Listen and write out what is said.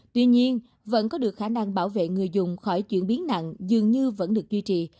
tuy nhiên vẫn có được khả năng bảo vệ người dùng khỏi chuyển biến nặng dường như vẫn được duy trì